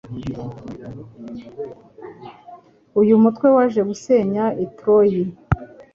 Uyu mutwe waje gusenya I Troy